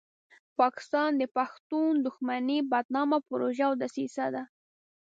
پاکستان د پښتون دښمنۍ بدنامه پروژه او دسیسه ده.